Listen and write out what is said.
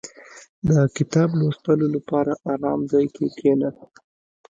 • د کتاب لوستلو لپاره آرام ځای کې کښېنه.